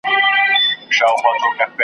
په دې ډند کي هره ورځ دغه کیسه وه .